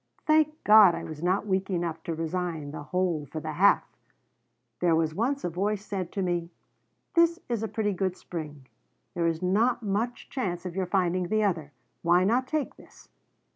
"Thank God I was not weak enough to resign the whole for the half! There was once a voice said to me: 'This is a pretty good spring. There is not much chance of your finding the other. Why not take this?'